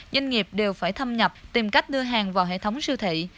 doanh nghiệp đều phải thâm nhập tìm cách đưa hàng vào hệ thống siêu thị